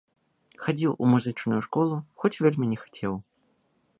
Хадзіў у музычную школу, хоць вельмі не хацеў.